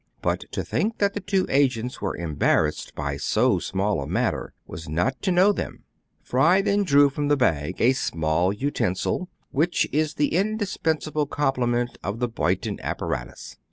But to think that the two agents were embar rassed by so small a matter was not to know them. Fry then drew from the bag a small utensil, which is the indispensable complement of the Boyton apparatus.